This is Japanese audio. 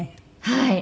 はい。